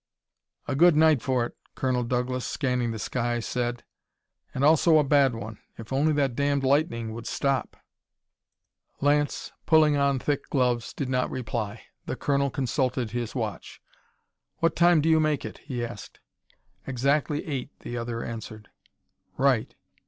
"A good night for it," Colonel Douglas, scanning the sky, said, "and also a bad one. If only that damned lightning would stop!" Lance, pulling on thick gloves, did not reply. The colonel consulted his watch. "What time do you make it?" he asked. "Exactly eight," the other answered. "Right.